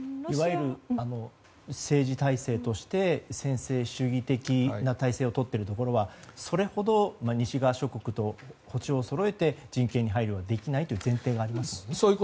いわゆる専制主義的な体制をとっているところはそれほど西側諸国と歩調をそろえて人権に配慮できないという前提がありますよね。